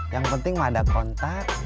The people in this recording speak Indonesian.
yang penting mah ada kontak